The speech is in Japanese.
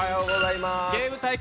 ゲーム対決